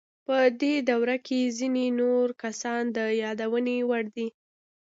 په دې دوره کې ځینې نور کسان د یادونې وړ دي.